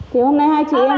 thì hôm nay hai chị em